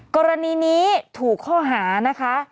กรณีนี้ถูกข้อหานะคะ